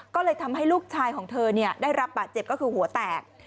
ก็เลยทำให้ลูกชายของเธอได้รับบาดเจ็บก็คือหัวแตก